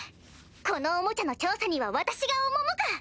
このおもちゃの調査には私が赴く！